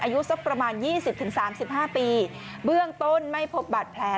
อายุสักประมาณ๒๐๓๕ปีเบื้องต้นไม่พบบัตรแผล